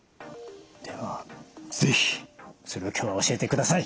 では是非それを今日は教えてください。